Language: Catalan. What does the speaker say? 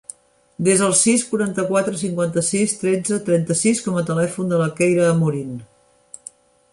Desa el sis, quaranta-quatre, cinquanta-sis, tretze, trenta-sis com a telèfon de la Keira Amorin.